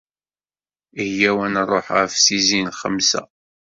Iyyaw ad nṛuḥ ɣef tizi n lxemsa.